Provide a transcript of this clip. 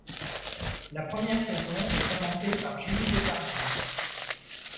La première saison est commentée par Julie Depardieu.